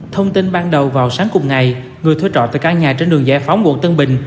thông tin ban đầu vào sáng cùng ngày người thuê trọ từ căn nhà trên đường giải phóng quận tân bình